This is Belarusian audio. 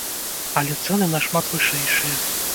Але цэны нашмат вышэйшыя!